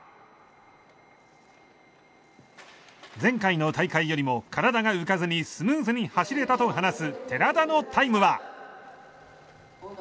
前回の大会よりも体が浮かずにスムーズに走れたと話す寺田のタイムは。